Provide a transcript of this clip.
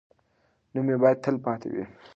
نوم یې باید تل پاتې وي.